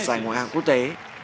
giải ngôi hàng quốc tế